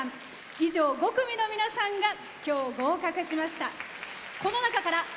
以上、５組の皆さんが今日、合格しました。